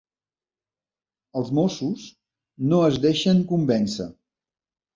Els Mossos no es deixen convèncer.